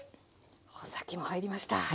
穂先も入りました。